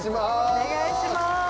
お願いします。